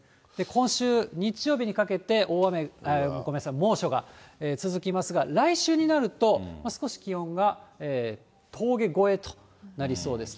今週日曜日にかけて猛暑が続きますが、来週になると、少し気温が峠越えとなりそうです。